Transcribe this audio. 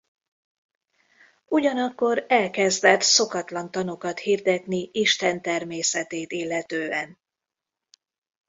Ugyanakkor elkezdett szokatlan tanokat hirdetni Isten természetét illetően.